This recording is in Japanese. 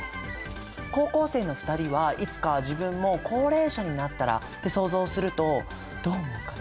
高校生の２人は「いつか自分も高齢者になったら」って想像するとどう思うかな？